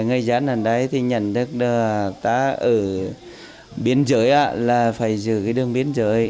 người dân ở đây thì nhận thức ta ở biên giới là phải giữ cái đường biên giới